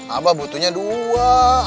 abah butuhnya dua